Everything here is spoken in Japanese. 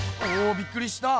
びっくりした。